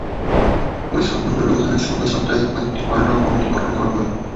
পরে সাত ঘণ্টার ব্যবধানে সন্ধ্যা সাতটায় আরেকটি পাল্টা কমিটি গঠন করা হয়।